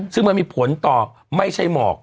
ซึ่งมันมีผลต่อไม่ใช่หมอก